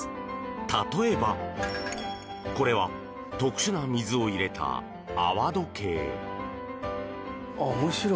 例えばこれは特殊な水を入れた泡時計。